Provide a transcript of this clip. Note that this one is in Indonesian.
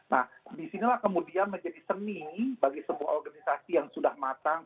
nah disinilah kemudian menjadi seni bagi sebuah organisasi yang sudah matang